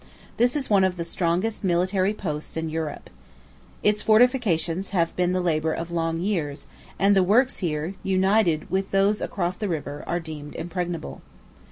This is one of the strongest military posts in Europe. Its fortifications have been the labor of long years; and the works here, united with those across the river, are deemed impregnable.